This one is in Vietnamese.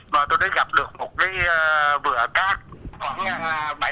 mà tôi đã gặp được một cái bữa cát